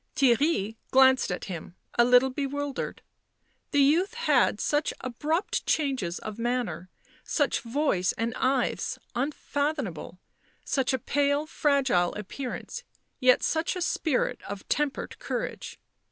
Theirry glanced at him, a little bewildered ; the youth had such abrupt changes of manner, such voice and eyes unfathomable, such a pale, fragile appearance, yet such a spirit of tempered courage.